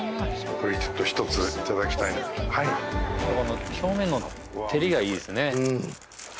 これちょっと一ついただきたい表面の照りがいいですね